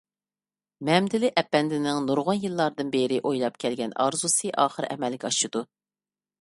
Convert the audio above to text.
مەمتىلى ئەپەندىنىڭ نۇرغۇن يىللاردىن بېرى ئويلاپ كەلگەن ئارزۇسى ئاخىر ئەمەلگە ئاشىدۇ.